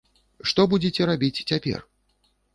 Што будзеце рабіць цяпер?